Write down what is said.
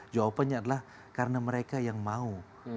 jawabannya adalah karena mereka yang mau